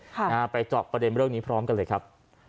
ค่ะนะฮะไปเจาะประเด็นเรื่องนี้พร้อมกันเลยครับ